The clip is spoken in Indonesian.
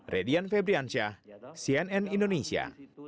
radian febriantia cnn indonesia